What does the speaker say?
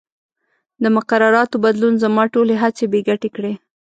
د مقرراتو بدلون زما ټولې هڅې بې ګټې کړې.